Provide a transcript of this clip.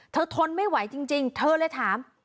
ทนไม่ไหวจริงเธอเลยถาม